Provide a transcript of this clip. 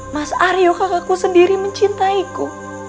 mas aryo kakakku sendiri mencintaiku